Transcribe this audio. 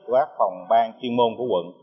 của các phòng ban chuyên môn của quận